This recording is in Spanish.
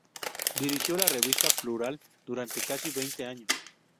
Dirigió la revista "Plural" durante casi veinte años.